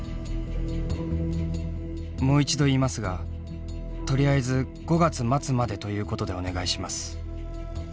「もう一度言いますがとりあえず５月末までということでお願いします」。